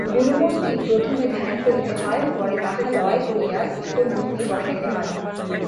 গুরুমূর্তি প্রথমে ধ্যান করিতে হয়, পরে তাহা লয় করিয়া ইষ্টমূর্তি বসাইতে হয়।